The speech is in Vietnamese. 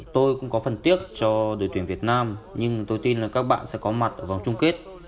tôi cũng có phần tiếc cho đội tuyển việt nam nhưng tôi tin là các bạn sẽ có mặt ở vòng chung kết